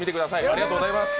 ありがとうございます。